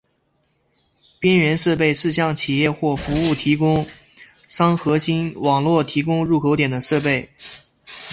边缘设备是向企业或服务提供商核心网络提供入口点的设备。